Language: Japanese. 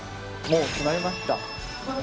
もう決まりました。